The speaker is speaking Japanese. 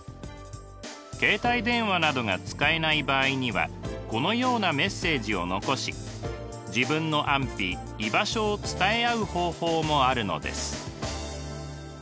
携帯電話などが使えない場合にはこのようなメッセージを残し自分の安否居場所を伝え合う方法もあるのです。